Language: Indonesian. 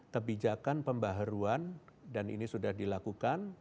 kebijakan pembaharuan dan ini sudah dilakukan